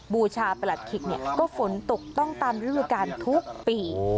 บูชาประหลัดขิกก็ฝนตกต้องตามฤดูกาลทุกปี